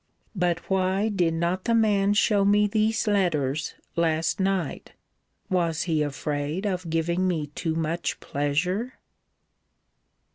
But why did not the man show me these letters last night? Was he afraid of giving me too much pleasure?